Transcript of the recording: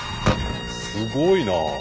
すごいな。